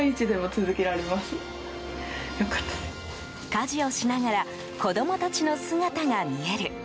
家事をしながら子供たちの姿が見える。